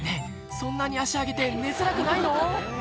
そんなに足上げて寝づらくないの？